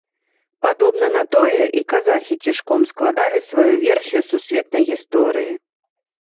Падобна на тое, і казахі цішком складалі сваю версію сусветнай гісторыі.